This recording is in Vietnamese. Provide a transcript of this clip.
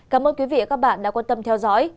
cảm ơn quý vị và các bạn đã quan tâm theo dõi